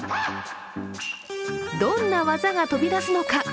どんな技が飛び出すのか。